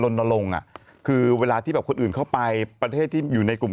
ลงอ่ะคือเวลาที่แบบคนอื่นเข้าไปประเทศที่อยู่ในกลุ่ม